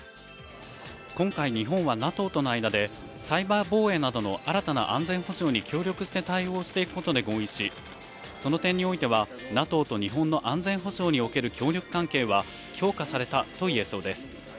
今回、日本はＮＡＴＯとの間でサイバー防衛などの新たな安全保障に対応していくことで合意し、その点においてはＮＡＴＯと日本の安全保障における協力関係は強化されたと言えそうです。